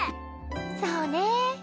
そうね。